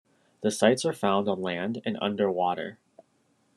The sites are found on land and underwater.